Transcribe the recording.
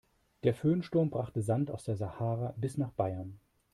Der Föhnsturm brachte Sand aus der Sahara bis nach Bayern.